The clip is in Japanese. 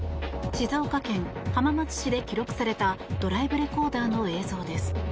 静岡県浜松市で記録されたドライブレコーダーの映像です。